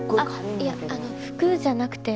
いや服じゃなくて。